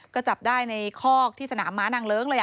ก็จับได้ในคอกที่สนามม้านางเลิ้งเลย